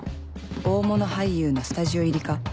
大物俳優のスタジオ入りか